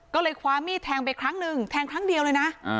ก็เลยคว้ามีดแทงไปครั้งหนึ่งแทงครั้งเดียวเลยนะ